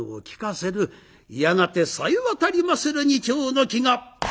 やがてさえわたりまする二丁の柝が。